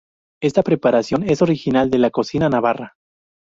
Esta preparación es originaria de la cocina navarra.